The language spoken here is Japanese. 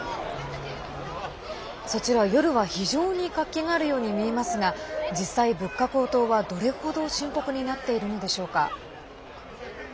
そちら、夜は非常に活気があるように見えますが実際、物価高騰は、どれ程深刻になっているのでしょうか。